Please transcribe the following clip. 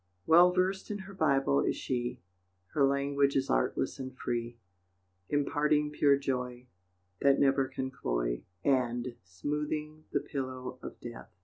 Well versed in her Bible is she, Her language is artless and free, Imparting pure joy, That never can cloy, And smoothing the pillow of death.